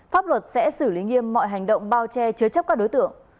pháp luật sẽ xử lý nghiêm mọi hành động bao che chứa chấp các đối tượng